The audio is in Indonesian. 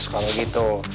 kalau gak ikhlas mas